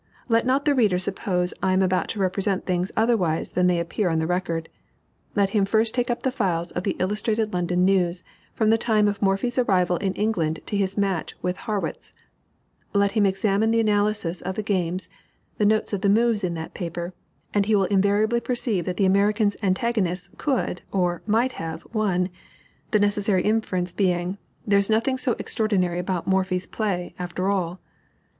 Let not the reader suppose I am about to represent things otherwise than they appear on the record. Let him take up the files of the Illustrated London News from the time of Morphy's arrival in England to his match with Harrwitz; let him examine the analysis of the games, the notes to the moves in that paper, and he will invariably perceive that the American's antagonists could or might have won, the necessary inference being "There's nothing so extraordinary about Morphy's play, after all."